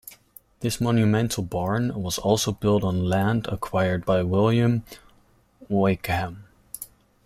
This monumental barn was also built on land acquired by William of Wykeham.